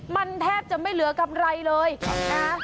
มันแทบจะไม่เหลือกำไรเลยนะ